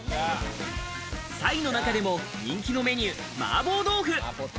Ｓａｉの中でも人気のメニュー麻婆豆腐。